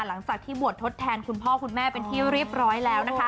หลังจากที่บวชทดแทนคุณพ่อคุณแม่เป็นที่เรียบร้อยแล้วนะคะ